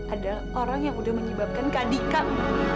ada orang yang udah menyebabkan kadikan